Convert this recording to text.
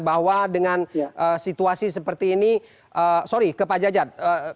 bahwa dengan situasi seperti ini sorry ke pak jajat